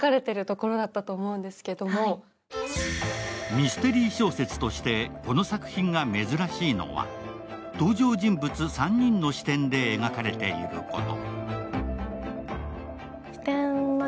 ミステリー小説として、この作品が珍しいのは登場人物３人の視点で描かれていること。